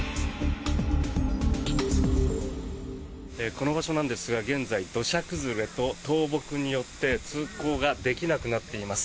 この場所なんですが現在、土砂崩れと倒木によって通行ができなくなっています。